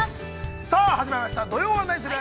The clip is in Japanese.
さあ始まりました「土曜はナニする！？」。